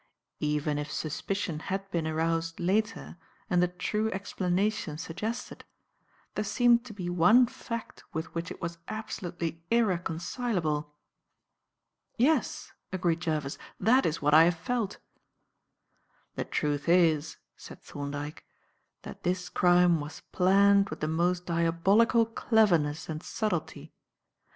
Even if suspicion had been aroused later and the true explanation suggested, there seemed to be one fact with which it was absolutely irreconcilable." "Yes," agreed Jervis; "that is what I have felt." "The truth is," said Thorndyke, "that this crime was planned with the most diabolical cleverness and subtlety.